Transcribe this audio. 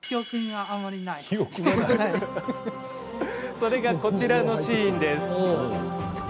それが、こちらのシーン。